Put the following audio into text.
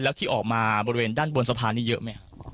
แล้วที่ออกมาบริเวณด้านบนสะพานนี้เยอะไหมครับ